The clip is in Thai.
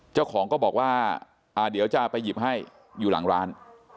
เจ้าของก็บอกว่าเดี๋ยวจะไปหยิบให้อยู่หลังร้าน